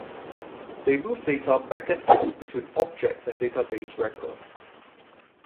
They move data back and forth between objects and database records.